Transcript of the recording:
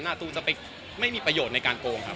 ตูจะไปไม่มีประโยชน์ในการโกงครับ